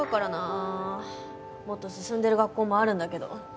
もっと進んでる学校もあるんだけど。